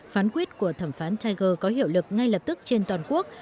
phán quyết của thẩm phán tiger có hiệu lực ngay lập tức trên toàn quốc